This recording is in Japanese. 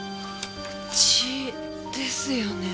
血ですよね？